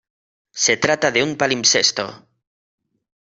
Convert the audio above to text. Se trata de un palimpsesto.